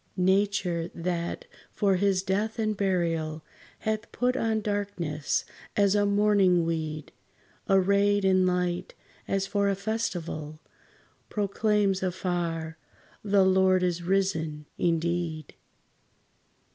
Nature, that, for his death and burial, Hath put on darkness, as a mourning weed, Arrayed in light as for a festival, Proclaims afar, "The Lord is risen indeed!"